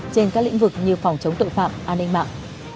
trên các lĩnh vực như phòng chống tội phạm an ninh mạng